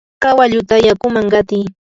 kawalluta yakuman qatiy.